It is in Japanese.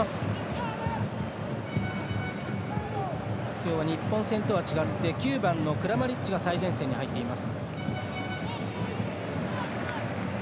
今日は日本戦とは違って９番のクラマリッチが最前線に入っています。